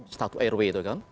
statu airway itu kan